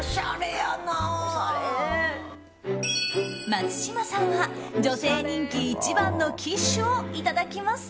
松嶋さんは女性人気一番のキッシュをいただきます。